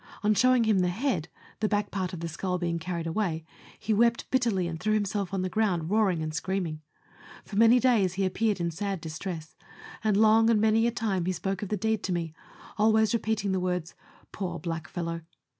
On showing him the head, the back part of the skull being carried away, he wept bitterly, and threw himself on the ground, roaring and screaming ; for many days he appeared in sad distress, and long and many a time he spoke of the deed to me, always repeating the words " poor blackfellow."